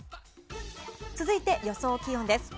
続いて予想気温です。